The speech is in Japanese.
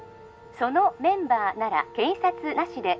☎そのメンバーなら警察なしで